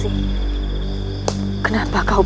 tidak ada kesalahan